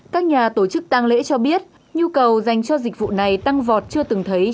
các nhà tổ chức tăng lễ cho biết nhu cầu dành cho dịch vụ này tăng vọt chưa từng thấy